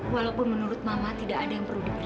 walaupun menurut mama tidak ada yang perlu diperjelas lagi